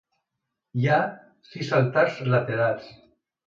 Hi ha sis altars laterals.